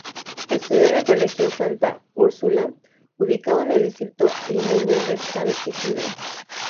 Estudió en el Colegio Santa Úrsula, ubicado en el distrito limeño de San Isidro.